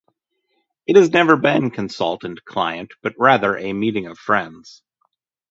It has never been consultant-client, but rather a meeting of friends.